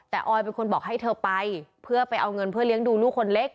แต่ออยเป็นคนบอกให้เธอไปเพื่อไปเอาเงินเพื่อเลี้ยงดูลูกคนเล็ก